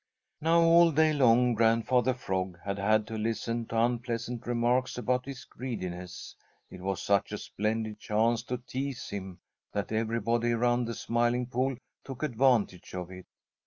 Now all day long Grandfather Frog had had to listen to unpleasant remarks about his greediness. It was such a splendid chance to tease him that everybody around the Smiling Pool took advantage of it.